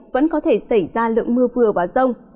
vẫn có thể xảy ra lượng mưa vừa và rông